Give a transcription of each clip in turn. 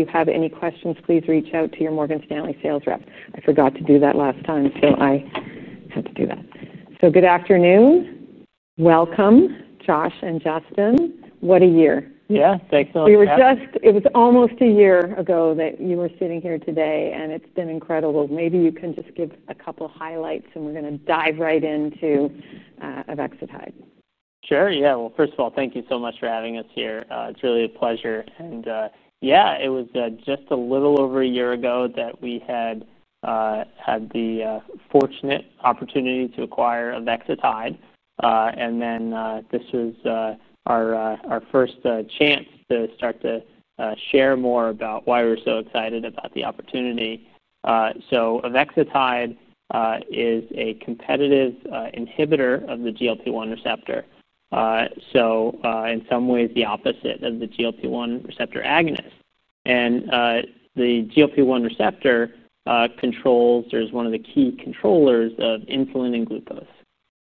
If you have any questions, please reach out to your Morgan Stanley sales rep. I forgot to do that last time, I had to do that. Good afternoon. Welcome, Josh and Justin. What a year. Yeah, thanks so much. It was almost a year ago that you were sitting here today, and it's been incredible. Maybe you can just give a couple of highlights, and we're going to dive right into Avexitide. Sure. First of all, thank you so much for having us here. It's really a pleasure. It was just a little over a year ago that we had the fortunate opportunity to acquire Avexitide. This was our first chance to start to share more about why we're so excited about the opportunity. Avexitide is a competitive inhibitor of the GLP-1 receptor. In some ways, it's the opposite of the GLP-1 receptor agonist. The GLP-1 receptor controls, or is one of the key controllers of, insulin and glucose.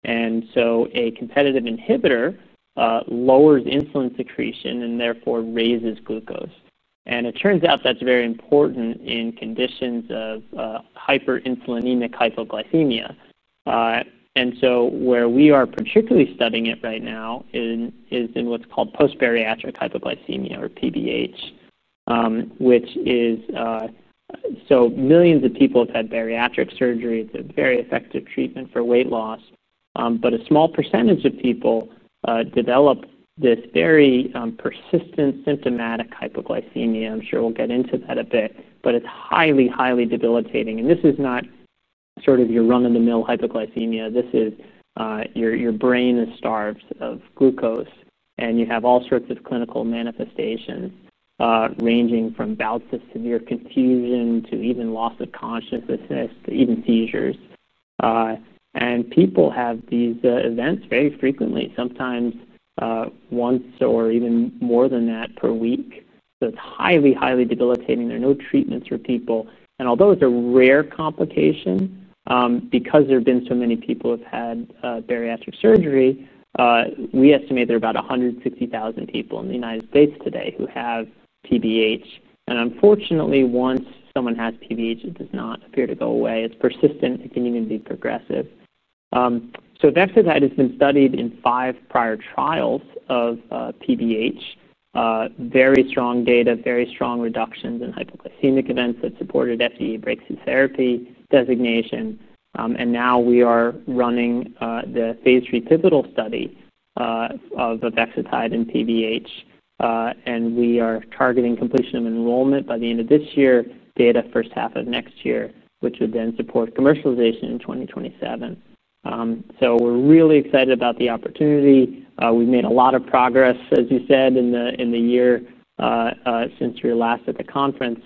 A competitive inhibitor lowers insulin secretion and therefore raises glucose. It turns out that's very important in conditions of hyperinsulinemic hypoglycemia. Where we are particularly studying it right now is in what's called post-bariatric hypoglycemia, or PBH. Millions of people have had bariatric surgery. It's a very effective treatment for weight loss, but a small percentage of people develop this very persistent symptomatic hypoglycemia. I'm sure we'll get into that a bit, but it's highly, highly debilitating. This is not sort of your run-of-the-mill hypoglycemia. Your brain is starved of glucose, and you have all sorts of clinical manifestations, ranging from bouts of severe confusion to even loss of consciousness, to even seizures. People have these events very frequently, sometimes once or even more than that per week. It's highly, highly debilitating. There are no treatments for people. Although it's a rare complication, because there have been so many people who have had bariatric surgery, we estimate there are about 160,000 people in the United States today who have PBH. Unfortunately, once someone has PBH, it does not appear to go away. It's persistent. It can even be progressive. Avexitide has been studied in five prior trials of PBH. Very strong data, very strong reductions in hypoglycemic events that supported FDA breakthrough therapy designation. Now we are running the phase 3 pivotal study of Avexitide in PBH. We are targeting completion of enrollment by the end of this year, data first half of next year, which would then support commercialization in 2027. We're really excited about the opportunity. We've made a lot of progress, as you said, in the year since you were last at the conference.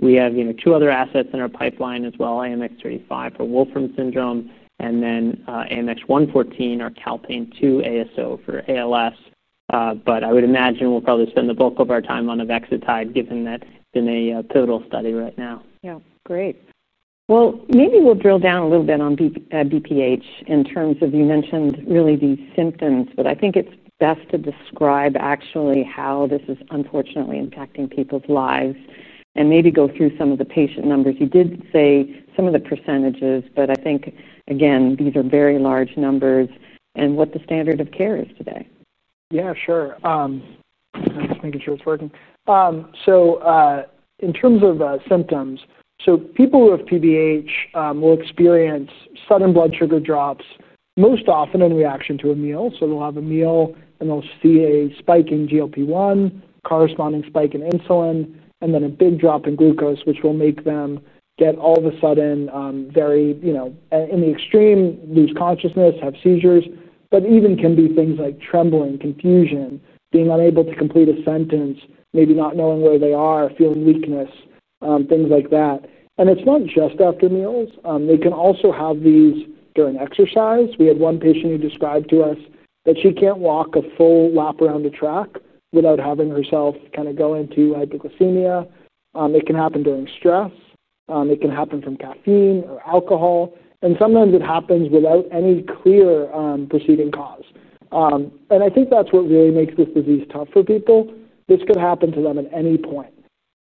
We have two other assets in our pipeline as well, AMX0035 for Wolfram syndrome, and then AMX0114, our Calpain II ASO for ALS. I would imagine we'll probably spend the bulk of our time on Avexitide, given that it's in a pivotal study right now. Yeah. Great. Maybe we'll drill down a little bit on PBH in terms of you mentioned really the symptoms, but I think it's best to describe actually how this is unfortunately impacting people's lives and maybe go through some of the patient numbers. You did say some of the percentages, but I think, again, these are very large numbers and what the standard of care is today. Yeah, sure. I'm just making sure it's working. In terms of symptoms, people who have PBH will experience sudden blood sugar drops most often in reaction to a meal. They'll have a meal and they'll see a spike in GLP-1, a corresponding spike in insulin, and then a big drop in glucose, which will make them get all of a sudden, very, you know, in the extreme, lose consciousness, have seizures, but even can be things like trembling, confusion, being unable to complete a sentence, maybe not knowing where they are, feeling weakness, things like that. It's not just after meals. They can also have these during exercise. We had one patient who described to us that she can't walk a full lap around a track without having herself kind of go into hypoglycemia. It can happen during stress. It can happen from caffeine or alcohol. Sometimes it happens without any clear, preceding cause. I think that's what really makes this disease tough for people. This could happen to them at any point,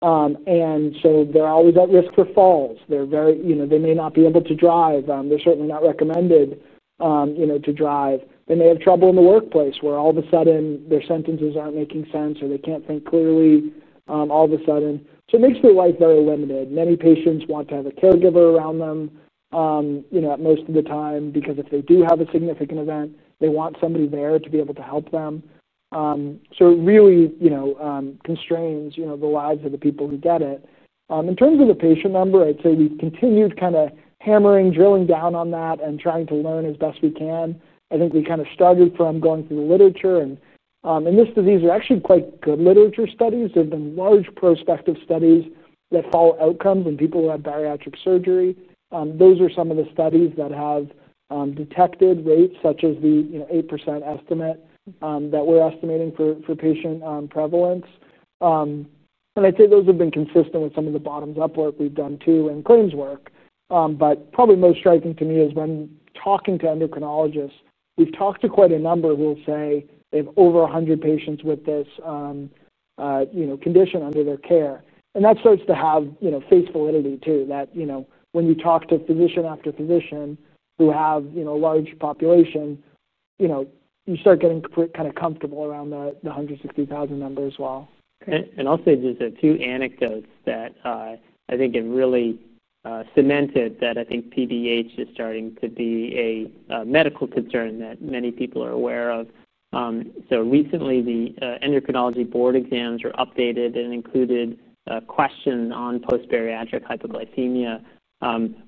and so they're always at risk for falls. They're very, you know, they may not be able to drive. They're certainly not recommended, you know, to drive. They may have trouble in the workplace where all of a sudden their sentences aren't making sense or they can't think clearly, all of a sudden. It makes their life very limited. Many patients want to have a caregiver around them, you know, most of the time because if they do have a significant event, they want somebody there to be able to help them. It really, you know, constrains, you know, the lives of the people who get it. In terms of the patient number, I'd say we've continued kind of hammering, drilling down on that and trying to learn as best we can. I think we kind of struggled from going through the literature. In this disease, there are actually quite good literature studies. There have been large prospective studies that follow outcomes in people who have bariatric surgery. Those are some of the studies that have detected rates such as the 8% estimate that we're estimating for patient prevalence. I'd say those have been consistent with some of the bottoms-up work we've done too in claims work. Probably most striking to me is when talking to endocrinologists, we've talked to quite a number who will say they have over 100 patients with this condition under their care. That starts to have, you know, face validity too, that, you know, when you talk to physician after physician who have, you know, a large population, you know, you start getting kind of comfortable around the 160,000 number as well. I'll say just two anecdotes that I think have really cemented that I think PBH is starting to be a medical concern that many people are aware of. Recently, the endocrinology board exams were updated and included questions on post-bariatric hypoglycemia,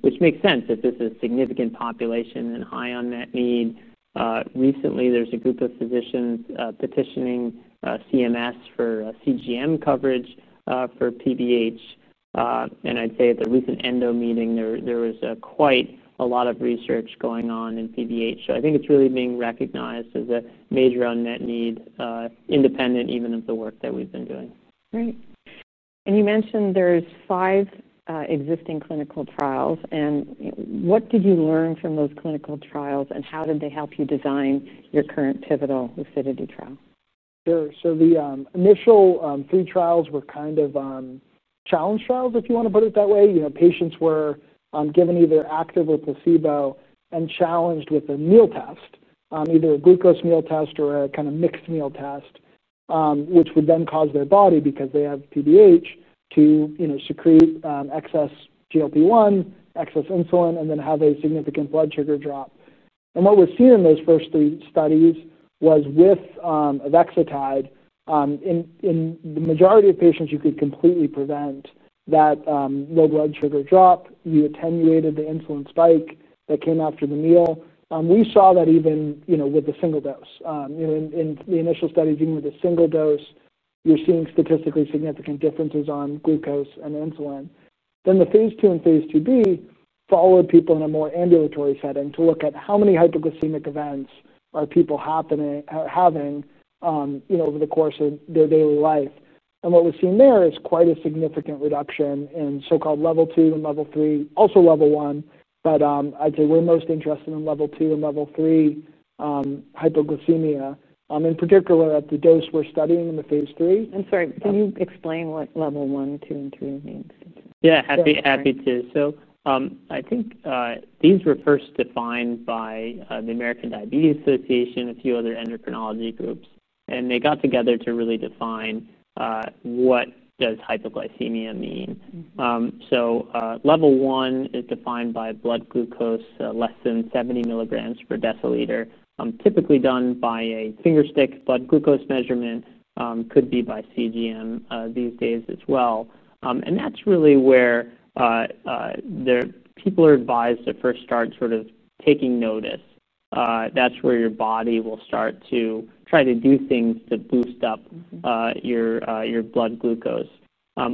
which makes sense if this is a significant population and high unmet need. Recently, there's a group of physicians petitioning CMS for CGM coverage for PBH. I'd say at the recent endo meeting, there was quite a lot of research going on in PBH. I think it's really being recognized as a major unmet need, independent even of the work that we've been doing. Great. You mentioned there's five existing clinical trials. What did you learn from those clinical trials, and how did they help you design your current pivotal Lucidity trial? Sure. The initial two trials were kind of challenge trials, if you want to put it that way. Patients were given either active or placebo and challenged with a meal test, either a glucose meal test or a kind of mixed meal test, which would then cause their body, because they have PBH, to secrete excess GLP-1, excess insulin, and then have a significant blood sugar drop. What we've seen in those first three studies was with Avexitide, in the majority of patients, you could completely prevent that low blood sugar drop. You attenuated the insulin spike that came after the meal. We saw that even with a single dose. In the initial studies, even with a single dose, you're seeing statistically significant differences on glucose and insulin. The phase two and phase two B followed people in a more ambulatory setting to look at how many hypoglycemic events are happening over the course of their daily life. What we've seen there is quite a significant reduction in so-called level 2 and level 3, also level 1, but I'd say we're most interested in level 2 and level 3 hypoglycemia, in particular at the dose we're studying in the phase 3. I'm sorry. Can you explain what level one, two, and three means? Yeah, happy to. I think these were first defined by the American Diabetes Association and a few other endocrinology groups. They got together to really define what does hypoglycemia mean. Level one is defined by blood glucose less than 70 milligrams per deciliter, typically done by a fingerstick blood glucose measurement. It could be by CGM these days as well. That's really where people are advised to first start sort of taking notice. That's where your body will start to try to do things to boost up your blood glucose.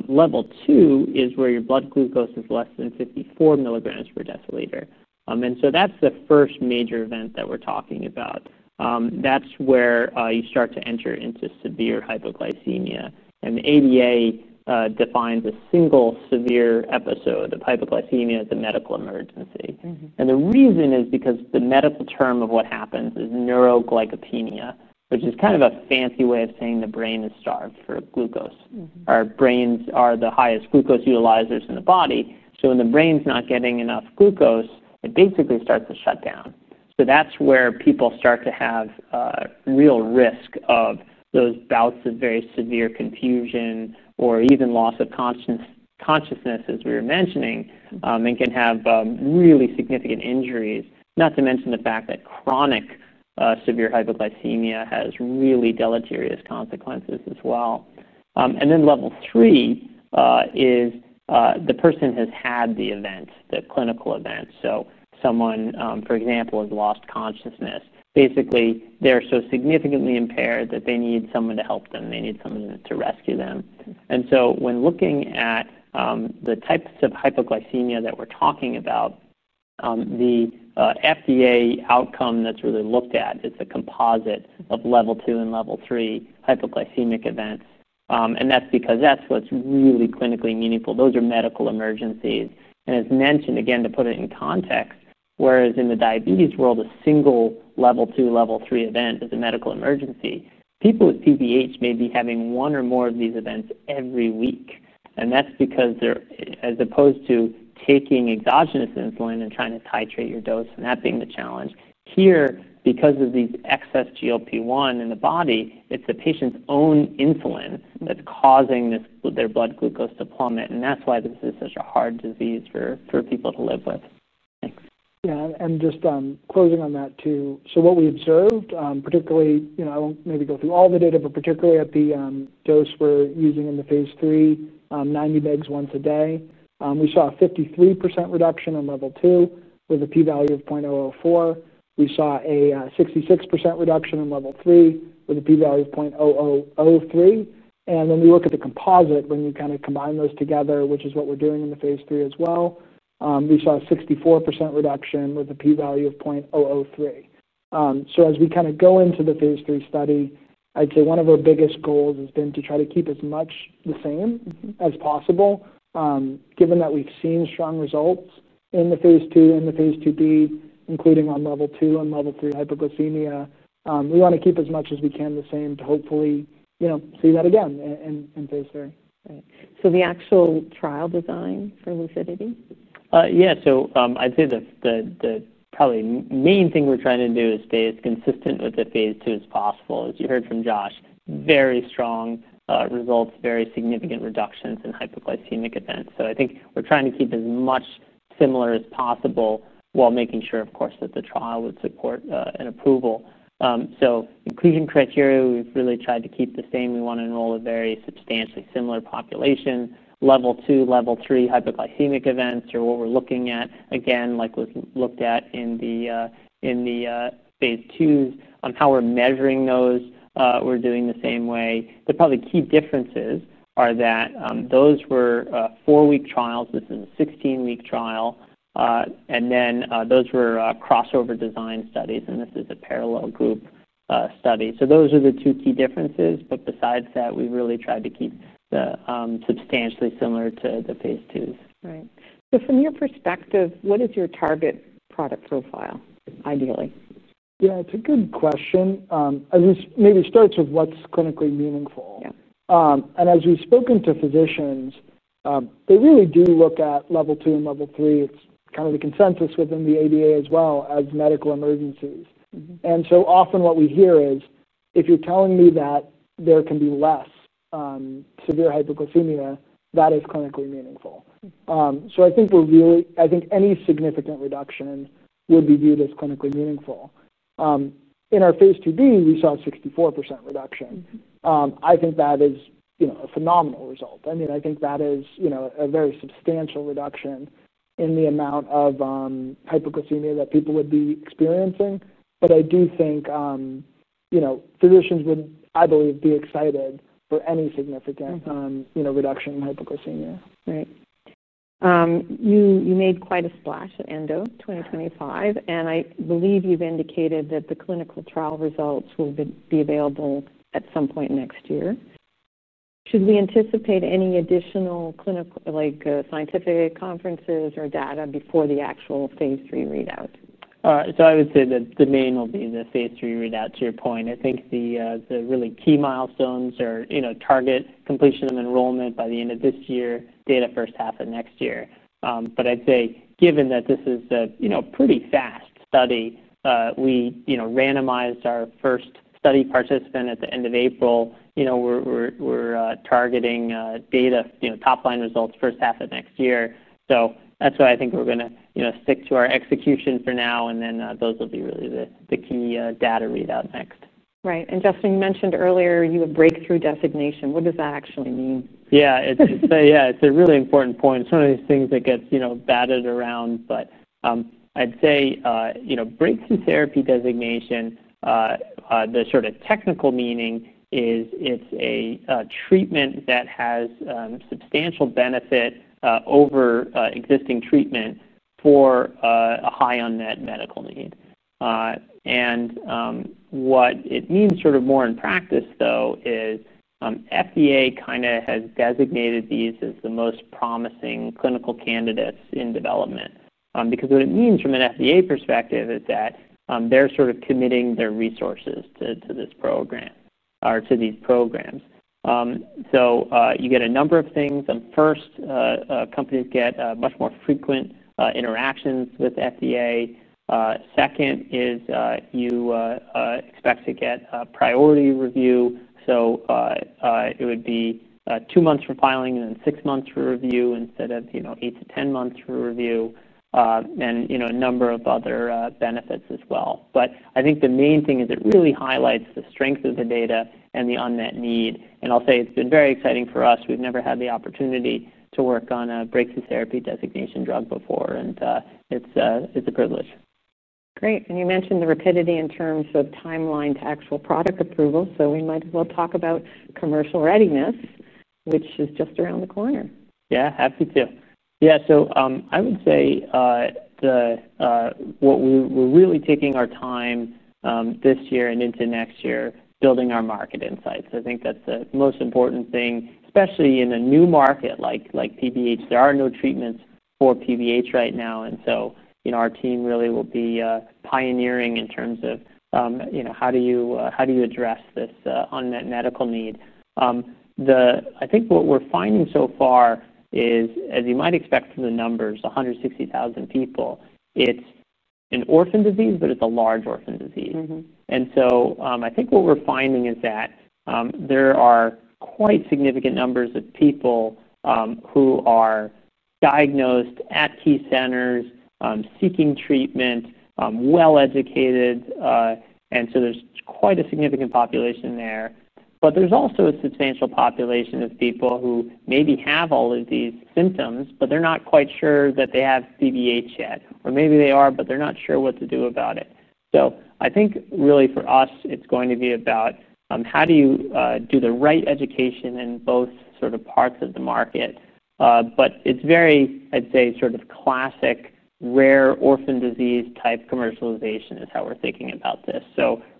Level two is where your blood glucose is less than 54 milligrams per deciliter, and that's the first major event that we're talking about. That's where you start to enter into severe hypoglycemia. The ADA defines a single severe episode of hypoglycemia as a medical emergency. The reason is because the medical term of what happens is neuroglycopenia, which is kind of a fancy way of saying the brain is starved for glucose. Our brains are the highest glucose utilizers in the body. When the brain's not getting enough glucose, it basically starts to shut down. That's where people start to have real risk of those bouts of very severe confusion or even loss of consciousness, as we were mentioning, and can have really significant injuries, not to mention the fact that chronic, severe hypoglycemia has really deleterious consequences as well. Then level three is the person has had the event, the clinical event. Someone, for example, has lost consciousness. Basically, they're so significantly impaired that they need someone to help them. They need someone to rescue them. When looking at the types of hypoglycemia that we're talking about, the FDA outcome that's really looked at is the composite of level 2 and level 3 hypoglycemic events. That's because that's what's really clinically meaningful. Those are medical emergencies. As mentioned, again, to put it in context, whereas in the diabetes world, a single level 2, level 3 event is a medical emergency, people with PBH may be having one or more of these events every week. That's because, as opposed to taking exogenous insulin and trying to titrate your dose, and that being the challenge, here, because of the excess GLP-1 in the body, it's the patient's own insulin that's causing their blood glucose to plummet. That's why this is such a hard disease for people to live with. Thanks. Yeah. Just closing on that too. What we observed, particularly, I won't maybe go through all the data, but particularly at the dose we're using in the phase 3, 90 mg once a day, we saw a 53% reduction in level 2 with a p-value of 0.004. We saw a 66% reduction in level 3 with a p-value of 0.003. When we look at the composite, when you kind of combine those together, which is what we're doing in the phase 3 as well, we saw a 64% reduction with a p-value of 0.003. As we kind of go into the phase 3 study, I'd say one of our biggest goals has been to try to keep as much the same as possible. Given that we've seen strong results in the phase 2 and the phase 2b, including on level 2 and level 3 hypoglycemia, we want to keep as much as we can the same to hopefully see that again in phase 3. Right. The actual trial design for lucidity? Yeah. I'd say the probably main thing we're trying to do is stay as consistent with the phase two as possible. As you heard from Josh, very strong results, very significant reductions in hypoglycemic events. I think we're trying to keep as much similar as possible while making sure, of course, that the trial would support an approval. Inclusion criteria, we've really tried to keep the same. We want to enroll a very substantially similar population. Level 2, level 3 hypoglycemic events are what we're looking at. Again, like was looked at in the phase twos on how we're measuring those, we're doing the same way. The probably key differences are that those were four-week trials within a 16-week trial, and then those were crossover design studies. This is a parallel group study. Those are the two key differences. Besides that, we really tried to keep it substantially similar to the phase twos. Right. From your perspective, what is your target product profile, ideally? Yeah, it's a good question. This maybe starts with what's clinically meaningful. As we've spoken to physicians, they really do look at level 2 and level 3. It's kind of the consensus within the ADA as well as medical emergencies. What we hear is, if you're telling me that there can be less severe hypoglycemia, that is clinically meaningful. I think we're really, I think any significant reduction will be viewed as clinically meaningful. In our phase 2b, we saw a 64% reduction. I think that is a phenomenal result. I mean, I think that is a very substantial reduction in the amount of hypoglycemia that people would be experiencing. I do think physicians would, I believe, be excited for any significant reduction in hypoglycemia. Right. You made quite a splash at ENDO 2025. I believe you've indicated that the clinical trial results will be available at some point next year. Should we anticipate any additional clinical, like, scientific conferences or data before the actual phase 3 readout? I would say that the main will be the phase 3 readout to your point. I think the really key milestones are target completion of enrollment by the end of this year, data first half of next year. I'd say given that this is a pretty fast study, we randomized our first study participant at the end of April. We're targeting data, top-line results first half of next year. That's why I think we're going to stick to our execution for now. Those will be really the key data readout next. Right. Justin mentioned earlier you have breakthrough therapy designation. What does that actually mean? Yeah, it's a really important point. It's one of these things that gets batted around. I'd say, you know, breakthrough therapy designation, the sort of technical meaning is it's a treatment that has substantial benefit over existing treatment for a high unmet medical need. What it means more in practice, though, is FDA kind of has designated these as the most promising clinical candidates in development. What it means from an FDA perspective is that they're sort of committing their resources to this program or to these programs. You get a number of things. First, companies get much more frequent interactions with FDA. Second is, you expect to get a priority review. It would be two months for filing and then six months for review instead of, you know, 8 to 10 months for review. You know, a number of other benefits as well. I think the main thing is it really highlights the strength of the data and the unmet need. I'll say it's been very exciting for us. We've never had the opportunity to work on a breakthrough therapy designation drug before. It's a privilege. Great. You mentioned the rapidity in terms of timeline to actual product approval. We might as well talk about commercial readiness, which is just around the corner. Yeah, happy to. I would say what we're really taking our time this year and into next year building our market insights. I think that's the most important thing, especially in a new market like PBH. There are no treatments for PBH right now. Our team really will be pioneering in terms of how do you address this unmet medical need. I think what we're finding so far is, as you might expect from the numbers, 160,000 people, it's an orphan disease, but it's a large orphan disease. I think what we're finding is that there are quite significant numbers of people who are diagnosed at key centers, seeking treatment, well-educated, and so there's quite a significant population there. There's also a substantial population of people who maybe have all of these symptoms, but they're not quite sure that they have PBH yet. Or maybe they are, but they're not sure what to do about it. I think really for us, it's going to be about how do you do the right education in both sort of parts of the market. It's very, I'd say, sort of classic rare orphan disease type commercialization is how we're thinking about this.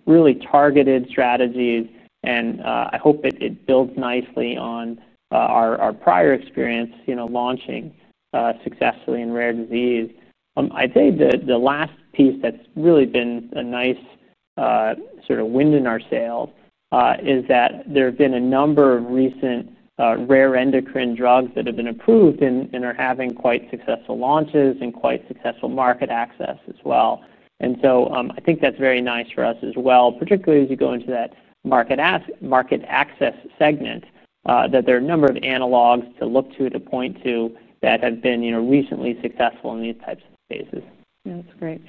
Really targeted strategies. I hope it builds nicely on our prior experience, you know, launching successfully in rare disease. I'd say the last piece that's really been a nice sort of wind in our sail is that there have been a number of recent rare endocrine drugs that have been approved and are having quite successful launches and quite successful market access as well. I think that's very nice for us as well, particularly as you go into that market access segment, that there are a number of analogs to look to, to point to that have been recently successful in these types of cases. Yeah, that's great.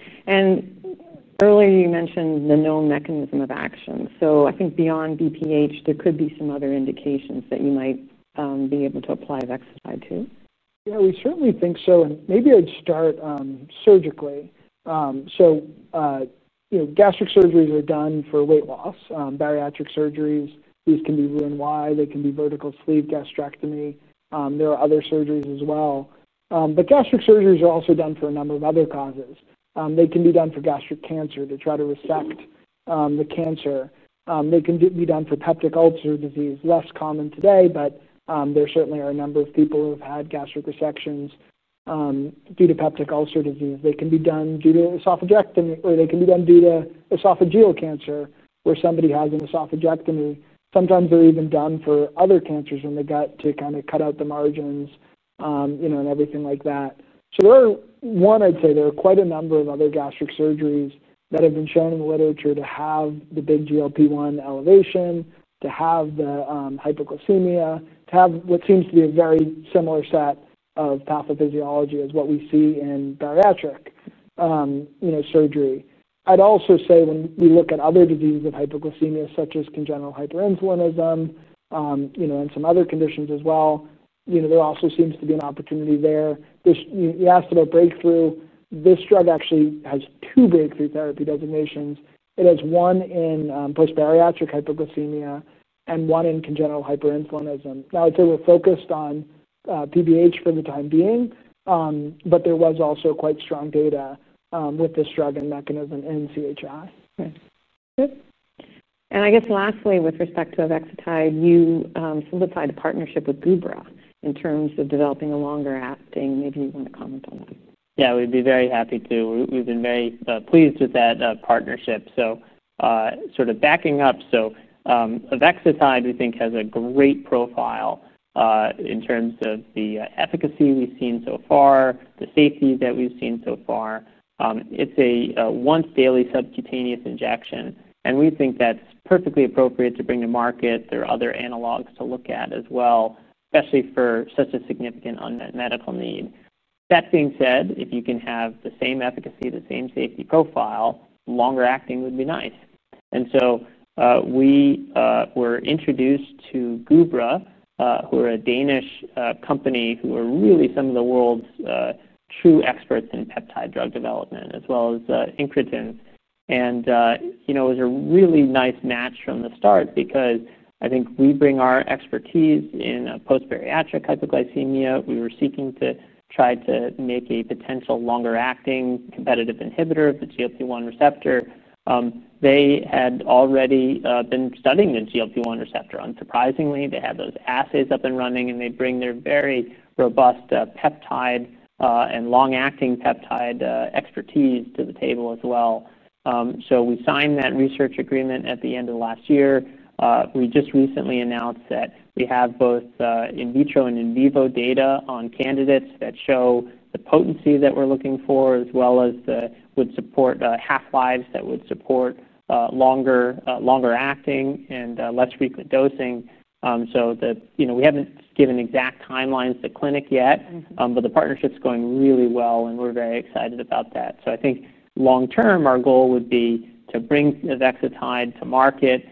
Earlier, you mentioned the known mechanism of action. I think beyond PBH, there could be some other indications that you might be able to apply Avexitide to. Yeah, we certainly think so. Maybe I'd start, surgically. You know, gastric surgeries are done for weight loss. Bariatric surgeries, these can be Roux-en-Y. They can be vertical sleeve gastrectomy. There are other surgeries as well. Gastric surgeries are also done for a number of other causes. They can be done for gastric cancer to try to resect the cancer. They can be done for peptic ulcer disease, less common today, but there certainly are a number of people who have had gastric resections due to peptic ulcer disease. They can be done due to esophagectomy, or they can be done due to esophageal cancer where somebody has an esophagectomy. Sometimes they're even done for other cancers in the gut to kind of cut out the margins and everything like that. I'd say there are quite a number of other gastric surgeries that have been shown in the literature to have the big GLP-1 elevation, to have the hypoglycemia, to have what seems to be a very similar set of pathophysiology as what we see in bariatric surgery. I'd also say when we look at other diseases of hypoglycemia such as congenital hyperinsulinism and some other conditions as well, there also seems to be an opportunity there. You asked about breakthrough. This drug actually has two breakthrough therapy designations. It has one in post-bariatric hypoglycemia and one in congenital hyperinsulinism. I'd say we're focused on PBH for the time being, but there was also quite strong data with this drug and mechanism in CHS. Nice. Yep. Lastly, with respect to Avexitide, you solidified a partnership with BIBRA in terms of developing a longer-acting. Maybe you want to comment on that. Yeah, we'd be very happy to. We've been very pleased with that partnership. Sort of backing up, Avexitide, we think, has a great profile in terms of the efficacy we've seen so far, the safety that we've seen so far. It's a once-daily subcutaneous injection, and we think that's perfectly appropriate to bring to market. There are other analogs to look at as well, especially for such a significant unmet medical need. That being said, if you can have the same efficacy, the same safety profile, longer-acting would be nice. We were introduced to BIBRA, who are a Danish company, who are really some of the world's true experts in peptide drug development as well as incretin. It was a really nice match from the start because I think we bring our expertise in post-bariatric hypoglycemia. We were seeking to try to make a potential longer-acting competitive inhibitor of the GLP-1 receptor. They had already been studying the GLP-1 receptor. Unsurprisingly, they had those assays up and running, and they bring their very robust peptide and long-acting peptide expertise to the table as well. We signed that research agreement at the end of last year. We just recently announced that we have both in vitro and in vivo data on candidates that show the potency that we're looking for, as well as that would support half-lives that would support longer, longer acting and less frequent dosing. We haven't given exact timelines to clinic yet, but the partnership's going really well, and we're very excited about that. I think long-term, our goal would be to bring Avexitide to market,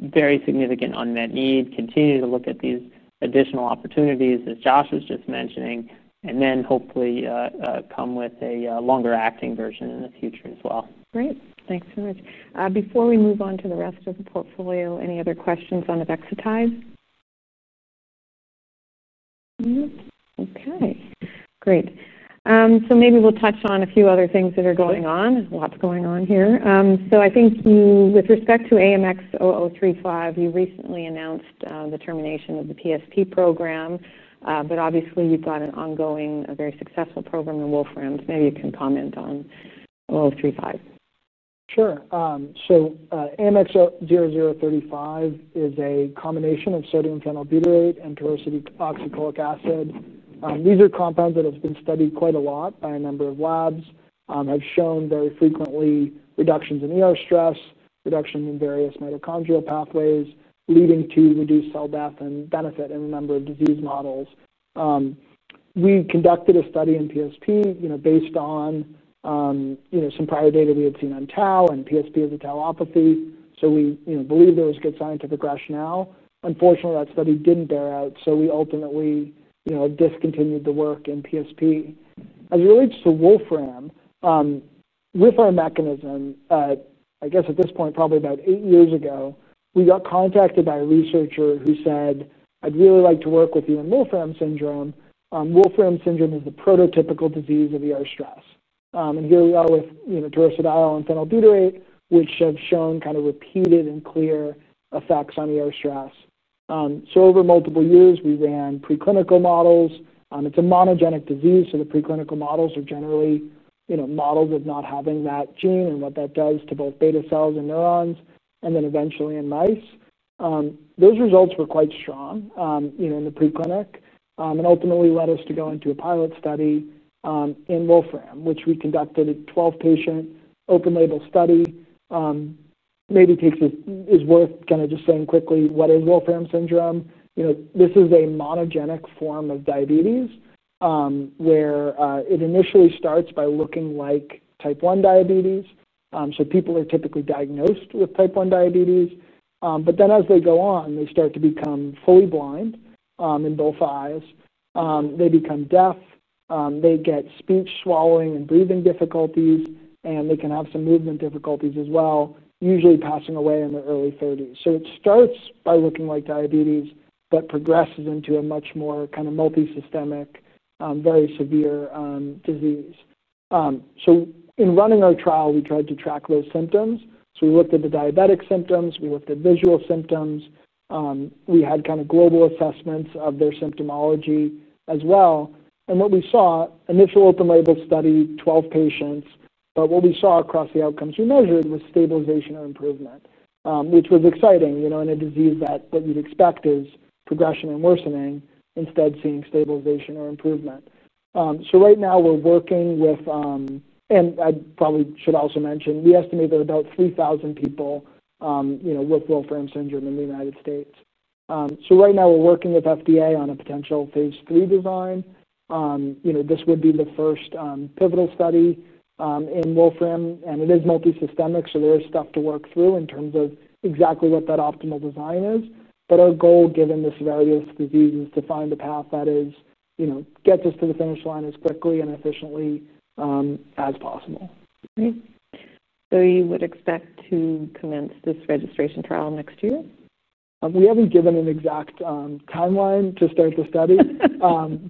very significant unmet need, continue to look at these additional opportunities as Josh was just mentioning, and then hopefully come with a longer-acting version in the future as well. Great. Thanks so much. Before we move on to the rest of the portfolio, any other questions on Avexitide? Okay. Great. Maybe we'll touch on a few other things that are going on, lots going on here. I think you, with respect to AMX0035, you recently announced the termination of the PFP program. Obviously, you've got an ongoing, a very successful program in Wolfram. Maybe you can comment on 0035. Sure. AMX0035 is a combination of sodium phenylbutyrate and peroxycholine acid. These are compounds that have been studied quite a lot by a number of labs, have shown very frequently reductions in stress, reduction in various mitochondrial pathways, leading to reduced cell death and benefit in a number of disease models. We conducted a study in PFP, based on some prior data we had seen on Tau and PFP as a tauopathy. We believed there was good scientific rationale. Unfortunately, that study didn't bear out. We ultimately discontinued the work in PFP. As it relates to Wolfram, with our mechanism, I guess at this point, probably about eight years ago, we got contacted by a researcher who said, "I'd really like to work with you on Wolfram syndrome." Wolfram syndrome is the prototypical disease of stress. Here we are with tirosidol and phenylbutyrate, which have shown kind of repeated and clear effects on stress. Over multiple years, we ran preclinical models. It's a monogenic disease, so the preclinical models are generally modeled of not having that gene and what that does to both beta cells and neurons, and then eventually in mice. Those results were quite strong in the preclinic, and ultimately led us to go into a pilot study in Wolfram, which we conducted, a 12-patient open-label study. Maybe it is worth kind of just saying quickly, what is Wolfram syndrome? This is a monogenic form of diabetes, where it initially starts by looking like type 1 diabetes. People are typically diagnosed with type 1 diabetes, but then as they go on, they start to become fully blind in both eyes. They become deaf. They get speech, swallowing, and breathing difficulties, and they can have some movement difficulties as well, usually passing away in their early 30s. It starts by looking like diabetes, but progresses into a much more kind of multi-systemic, very severe disease. In running our trial, we tried to track those symptoms. We looked at the diabetic symptoms. We looked at visual symptoms. We had kind of global assessments of their symptomology as well. What we saw, initial open-label study, 12 patients, but what we saw across the outcomes we measured was stabilization or improvement, which was exciting in a disease that you'd expect is progression and worsening, instead of seeing stabilization or improvement. Right now, we're working with FDA on a potential phase 3 design. We estimate that about 3,000 people with Wolfram syndrome are in the United States. This would be the first pivotal study in Wolfram. It is multi-systemic, so there is stuff to work through in terms of exactly what that optimal design is. Our goal, given the severity of this disease, is to find a path that gets us to the finish line as quickly and efficiently as possible. Nice. You would expect to commence this registration trial next year? We haven't given an exact timeline to start the study,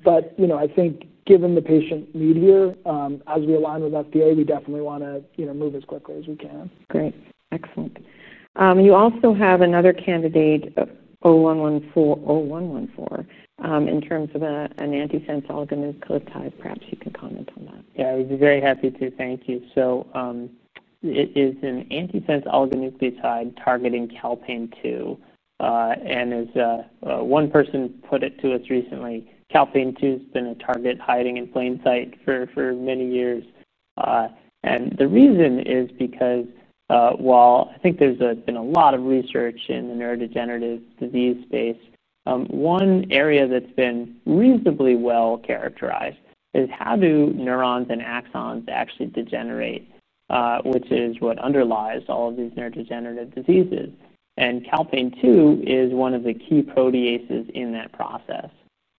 but I think given the patient need here, as we align with the FDA, we definitely want to move as quickly as we can. Great. Excellent. You also have another candidate, AMX0114, in terms of an antisense oligonucleotide. Perhaps you could comment on that. Yeah, I would be very happy to. Thank you. It is an antisense oligonucleotide targeting Calpain II. As one person put it to us recently, Calpain II has been a target hiding in plain sight for many years. The reason is because, while I think there's been a lot of research in the neurodegenerative disease space, one area that's been reasonably well characterized is how neurons and axons actually degenerate, which is what underlies all of these neurodegenerative diseases. Calpain II is one of the key proteases in that process.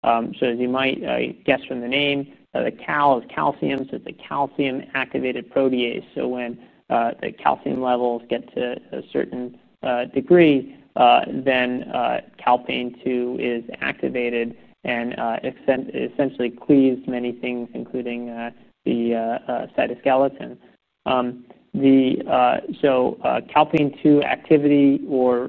As you might guess from the name, the cal is calcium. It is a calcium-activated protease. When the calcium levels get to a certain degree, then Calpain II is activated and essentially cleaves many things, including the cytoskeleton. Calpain II activity or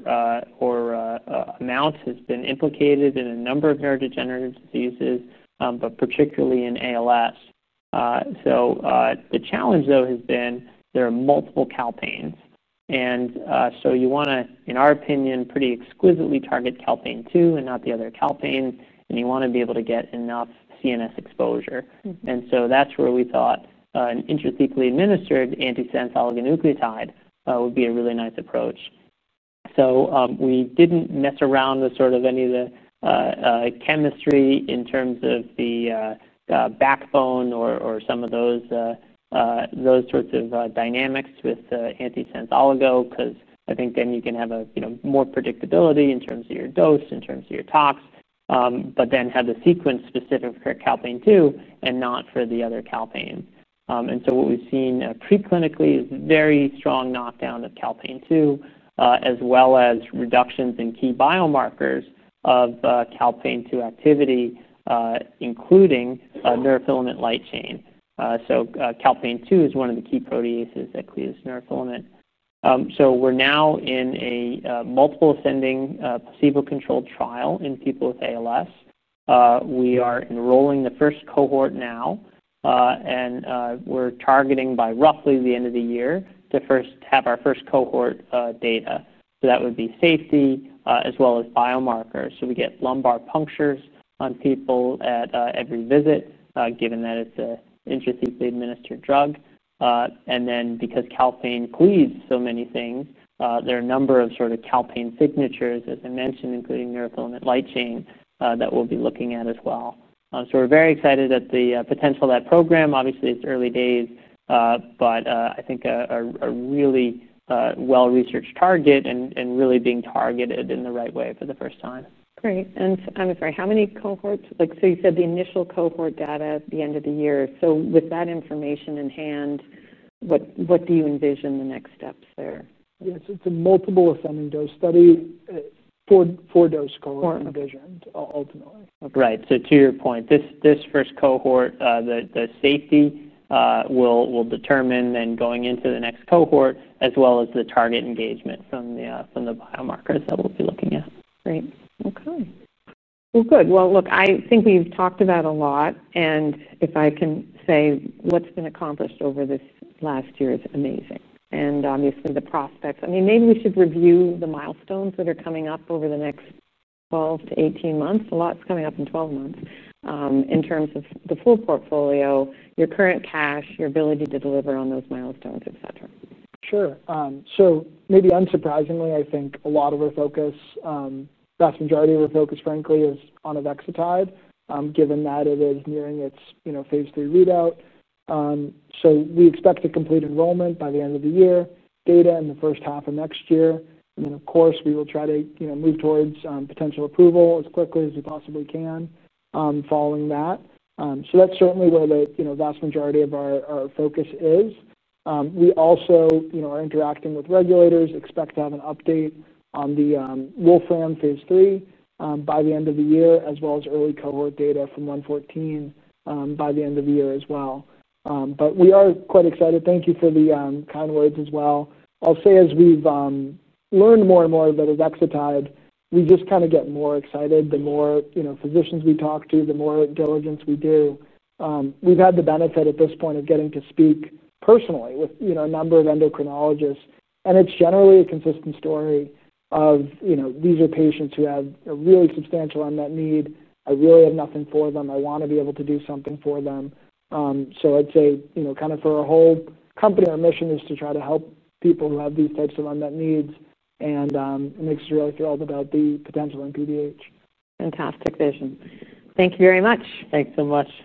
amount has been implicated in a number of neurodegenerative diseases, but particularly in ALS. The challenge, though, has been there are multiple Calpains. In our opinion, you want to pretty exquisitely target Calpain II and not the other Calpain. You want to be able to get enough CNS exposure. That's where we thought an intrathecally administered antisense oligonucleotide would be a really nice approach. We didn't mess around with any of the chemistry in terms of the backbone or some of those dynamics with antisense oligo because I think then you can have more predictability in terms of your dose, in terms of your tox, but then have the sequence specific for Calpain II and not for the other Calpain. What we've seen preclinically is a very strong knockdown of Calpain II, as well as reductions in key biomarkers of Calpain II activity, including neurofilament light chain. Calpain II is one of the key proteases that cleaves neurofilament. We're now in a multiple ascending, placebo-controlled trial in people with ALS. We are enrolling the first cohort now, and we're targeting by roughly the end of the year to have our first cohort data. That would be safety, as well as biomarkers. We get lumbar punctures on people at every visit, given that it's an intrathecally administered drug. Because Calpain cleaves so many things, there are a number of Calpain signatures, as I mentioned, including neurofilament light chain, that we'll be looking at as well. We're very excited at the potential of that program. Obviously, it's early days, but I think a really well-researched target and really being targeted in the right way for the first time. Great. I'm sorry, how many cohorts? You said the initial cohort data at the end of the year. With that information in hand, what do you envision the next steps there? Yeah, it's a multiple ascending dose study, with a four-dose cohort envisioned ultimately. Right. To your point, this first cohort, the safety, will determine then going into the next cohort, as well as the target engagement from the biomarkers that we'll be looking at. Great. Okay. I think we've talked about a lot. If I can say what's been accomplished over this last year is amazing. Obviously, the prospects. Maybe we should review the milestones that are coming up over the next 12 to 18 months. A lot's coming up in 12 months, in terms of the full portfolio, your current cash, your ability to deliver on those milestones, etc. Sure. Maybe unsurprisingly, I think a lot of our focus, the vast majority of our focus, frankly, is on Avexitide, given that it is nearing its phase 3 readout. We expect to complete enrollment by the end of the year, data in the first half of next year. Of course, we will try to move towards potential approval as quickly as we possibly can following that. That's certainly where the vast majority of our focus is. We also are interacting with regulators, expect to have an update on the Wolfram phase 3 by the end of the year, as well as early cohort data from 114 by the end of the year as well. We are quite excited. Thank you for the kind words as well. I'll say as we've learned more and more about Avexitide, we just kind of get more excited. The more physicians we talk to, the more diligence we do. We've had the benefit at this point of getting to speak personally with a number of endocrinologists. It's generally a consistent story of these are patients who have a really substantial unmet need. I really have nothing for them. I want to be able to do something for them. I'd say for our whole company, our mission is to try to help people who have these types of unmet needs. It makes us really thrilled about the potential in PBH. Fantastic vision. Thank you very much. Thanks so much.